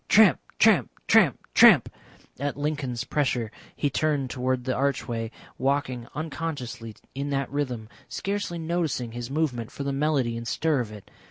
Tramp, tramp, tramp, tramp; at Lincoln's pressure he turned towards the archway, walking unconsciously in that rhythm, scarcely noticing his movement for the melody and stir of it.